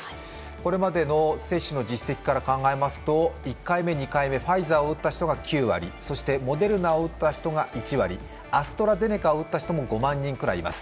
これまでの接種の実績から考えますと１回目、２回目ファイザーを打った人が９割、モデルナを打った人が１割アストラゼネカを打った人も５万人くらいいます。